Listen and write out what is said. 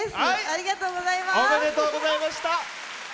ありがとうございます。